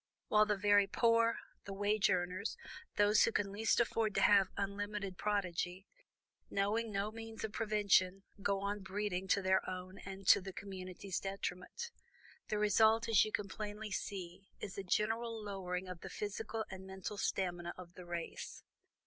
While the very poor, the wage earners, those who can least afford to have unlimited progeny, knowing no means of prevention, go on breeding to their own and to the community's detriment. The result, as you can plainly see, is a general lowering of the physical and mental stamina of the race.